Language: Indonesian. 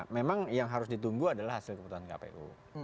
memang yang harus ditunggu adalah hasil keputusan kpu